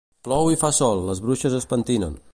Plou i fa sol les bruixes es pentinen